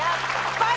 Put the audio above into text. はい